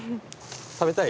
食べたい？